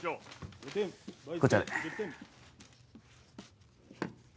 こちらで。